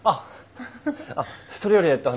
あっそれよりえっと